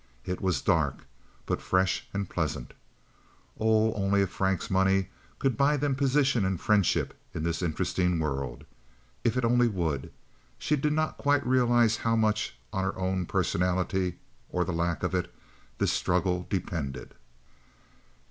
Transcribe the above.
It was dark, but fresh and pleasant. Oh, if only Frank's money could buy them position and friendship in this interesting world; if it only would! She did not quite realize how much on her own personality, or the lack of it, this struggle depended.